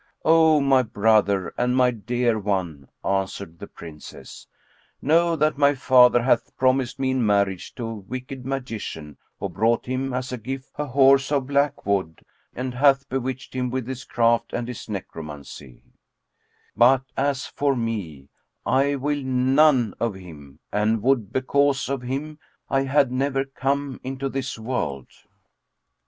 "O my brother and my dear one," answered the Princess, "Know that my father hath promised me in marriage to a wicked magician who brought him, as a gift, a horse of black wood, and hath bewitched him with his craft and his egromancy; but, as for me, I will none of him, and would, because of him, I had never come into this world!"